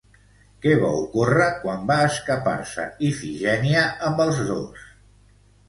Què va ocórrer quan va escapar-se Ifigènia amb els dos?